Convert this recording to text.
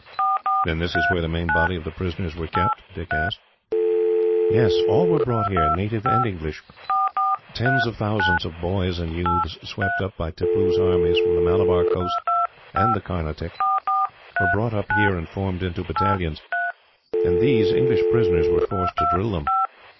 "Then this is where the main body of the prisoners were kept?" Dick asked. "Yes. All were brought here, native and English. Tens of thousands of boys and youths, swept up by Tippoo's armies from the Malabar coast and the Carnatic, were brought up here and formed into battalions, and these English prisoners were forced to drill them.